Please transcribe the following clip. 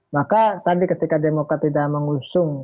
maka tadi ketika demokrat tidak mengusung